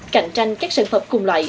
cạnh tranh các sản phẩm cùng loại